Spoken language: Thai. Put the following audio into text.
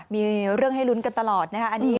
มีเรื่องให้ลุ้นกันตลอดนะคะ